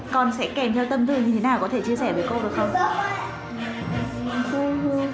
con sẽ kèm theo tâm tư thì thế nào có thể chia sẻ với cô được không